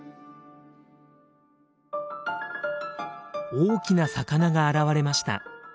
大きな魚が現れました。